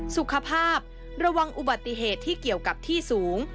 สุขภาพระวังอุบัติเหตุที่เกี่ยวกับที่สูง